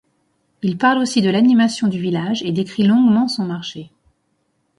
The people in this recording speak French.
Il parle aussi de l'animation du village et décrit longuement son marché.